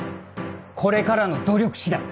これからの努力次第だ。